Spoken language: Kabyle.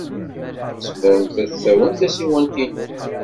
Tzemremt ad tawimt tasiwant-inu.